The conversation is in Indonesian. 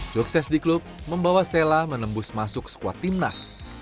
sukses di klub membawa sela menembus masuk skuad timnas